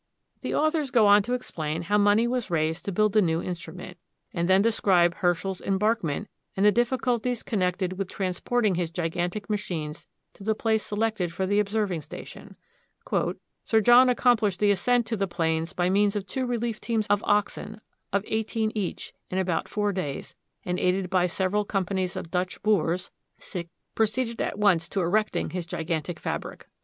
The authors go on to explain how money was raised to build the new instrument, and then describe Herschers embarkation and the difficulties connected with transporting his gigantic machines to the place selected for the observing station. "Sir John accomplished the ascent to the plains by means of two relief teams of oxen, of eighteen each, in about four days, and, aided by several companies of Dutch boors, proceeded at once to the erecting of his gigantic fabric."